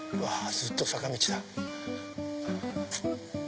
ずっと坂道だ。